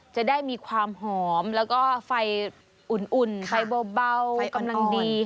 จะได้มีความหอมแล้วก็ไฟอุ่นไฟเบากำลังดี